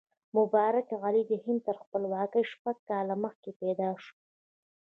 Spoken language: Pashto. مبارک علي د هند تر خپلواکۍ شپږ کاله مخکې پیدا شو.